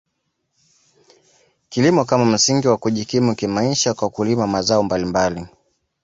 Kilimo kama msingi wa kujikimu kimaisha kwa kulima mazao mbalimbali